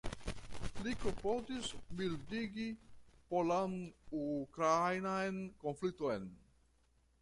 Li klopodis mildigi polan-ukrainan konflikton.